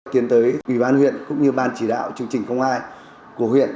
tiến tới ủy ban huyện cũng như ban chỉ đạo chương trình không ai của huyện